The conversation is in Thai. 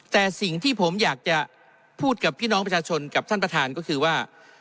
แต่สิ่งที่ผมอยากจะพูดกับพี่น้องประชาชนกับท่านประธานก็คือว่า